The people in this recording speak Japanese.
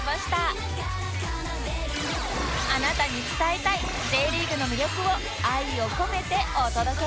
あなたに伝えたい Ｊ リーグの魅力を愛を込めてお届け！